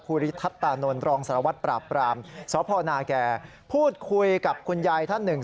ริทัศตานนทรองสารวัตรปราบปรามสพนาแก่พูดคุยกับคุณยายท่านหนึ่ง